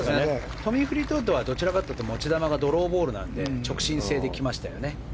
トミー・フリートウッドはどちらかというと持ち球がドローボールなので直進性で来ましたよね。